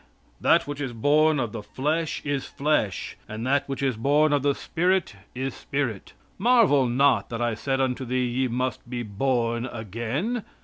"That which is born of the flesh is flesh, and that which is born of the spirit is spirit. Marvel not that I said unto thee, 'ye must be born again.'